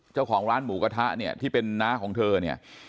เจ้าของร้านหมูกระทะเนี่ยที่เป็นน้าของเธอเนี่ย